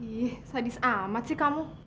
ih sadis amat sih kamu